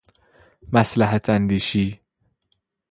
مصلحت اندیشی